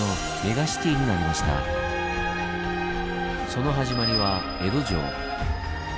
その始まりは江戸城。